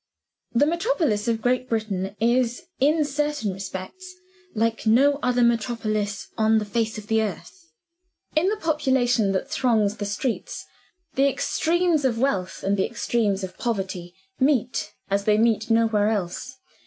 The metropolis of Great Britain is, in certain respects, like no other metropolis on the face of the earth. In the population that throngs the streets, the extremes of Wealth and the extremes of Poverty meet, as they meet nowhere else.